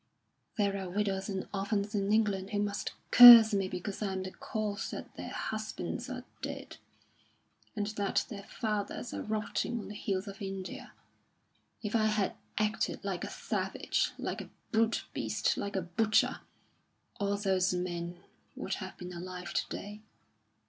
There are widows and orphans in England who must curse me because I am the cause that their husbands are dead, and that their fathers are rotting on the hills of India. If I had acted like a savage, like a brute beast, like a butcher, all those men would have been alive to day.